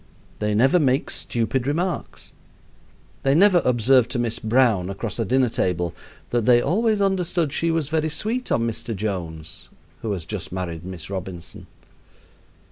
They never make stupid remarks. They never observe to Miss Brown across a dinner table that they always understood she was very sweet on Mr. Jones (who has just married Miss Robinson).